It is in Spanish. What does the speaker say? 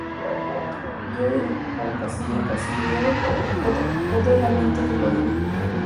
Gerrit es una bifurcación de Rietveld, otra herramienta de revisión del código.